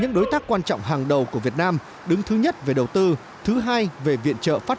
những đối tác quan trọng hàng đầu của việt nam đứng thứ nhất về đầu tư thứ hai về viện trợ phát